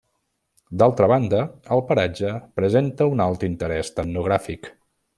D'altra banda, el paratge presenta un alt interès etnogràfic.